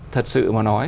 thật sự mà nói